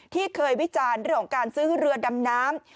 ที่เคยวิจารณ์เรื่องของการซื้อเรือดำน้ำ